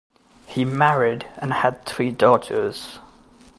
He married and had three daughters.